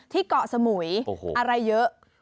เกาะสมุยอะไรเยอะ